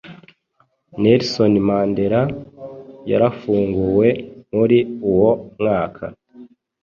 Nelson Mandela, yarafunguwe muri uwo mwaka .